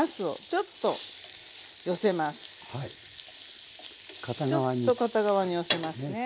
ちょっと片側に寄せますね。